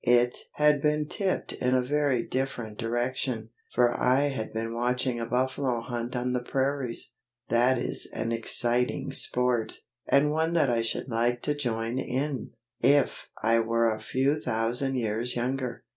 It had been tipped in a very different direction, for I had been watching a buffalo hunt on the prairies. That is an exciting sport, and one that I should like to join in, if I were a few thousand years younger.